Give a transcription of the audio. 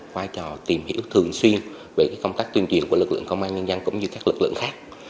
vai trò tìm hiểu thường xuyên về công tác tuyên truyền của lực lượng công an nhân dân cũng như các lực lượng khác